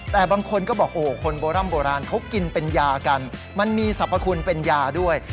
แต่บางคนก็บอกโอ้คนโบร่ำโบราณเขากินเป็นยากันมันมีสรรพคุณเป็นยาด้วย